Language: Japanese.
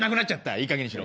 いいかげんにしろ！